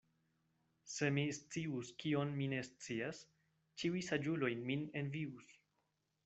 Se mi scius, kion mi ne scias, ĉiuj saĝuloj min envius.